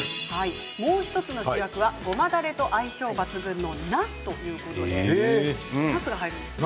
もう１つの主役はごまだれと相性抜群のなすということでなすが入るんですね。